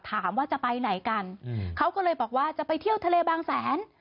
ถามว่าจะไปไหนกันเขาก็เลยบอกว่าจะไปเที่ยวทะเลบางแสน